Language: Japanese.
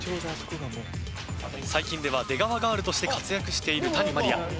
最近では出川ガールとして活躍している谷まりあ。